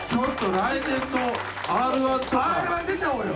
Ｒ−１出ちゃおうよ。